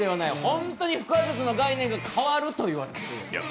本当に腹話術の概念が変わると言われている。